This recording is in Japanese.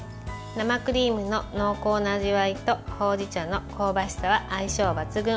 生クリームの濃厚な味わいとほうじ茶の香ばしさは相性抜群。